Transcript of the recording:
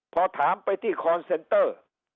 พอถามไปที่คอนเซนเตอร์